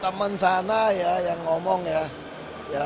sejauh ini sih saya tidak dapat penugasan untuk di pir kada ya